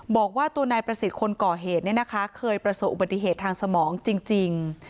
บอกว่าตัวนายประสิทธิ์คนก่อเหตุเนี่ยนะคะเคยประสบอุบัติเหตุทางสมองจริง